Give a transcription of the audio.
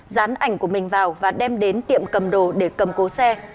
dán ảnh của mình vào và đem đến tiệm cầm đồ để cầm cố xe